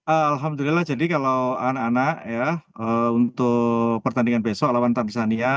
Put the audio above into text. alhamdulillah jadi kalau anak anak ya untuk pertandingan besok lawan tamsania